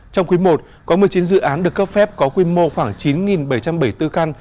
trong quý i có một mươi chín dự án được cấp phép có quy mô khoảng chín bảy trăm bảy mươi bốn căn